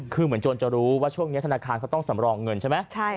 คือเหมือนโจรจะรู้ว่าช่วงนี้ธนาคารเขาต้องสำรองเงินใช่ไหม